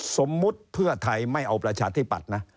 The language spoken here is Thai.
สมมุติเพื่อไทยไม่เอาประชาธิปัตย์นะ